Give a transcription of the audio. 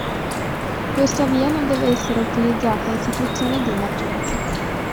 Questa via non deve essere utilizzata in situazioni di emergenza.